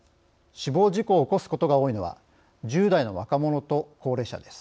死亡事故を起こすことが多いのは１０代の若者と高齢者です。